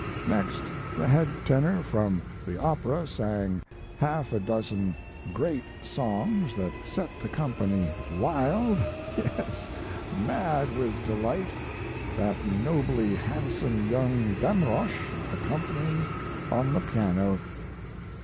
Next, the head tenor from the Opera sang half a dozen great songs that set the company wild, yes, mad with delight, that nobly handsome young Damrosch accompanying on the piano.